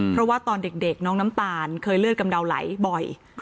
เพราะว่าตอนเด็กน้องน้ำตาลเคยเลือดกำเดาไหลบ่อย